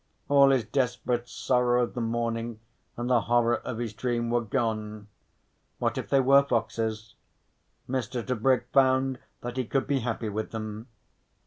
All his desperate sorrow of the morning and the horror of his dream were gone. What if they were foxes? Mr. Tebrick found that he could be happy with them.